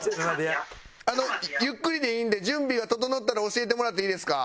ゆっくりでいいんで準備が整ったら教えてもらっていいですか？